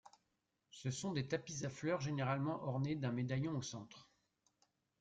Ce sont des tapis à fleurs, généralement ornés d'un médaillon au centre.